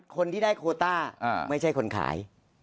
คนที่ได้โคต้าไม่ใช่คนขาย